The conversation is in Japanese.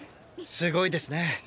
すごいですね